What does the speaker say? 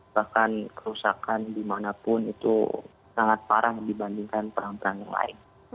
bahkan kerusakan dimanapun itu sangat parah dibandingkan perang perang yang lain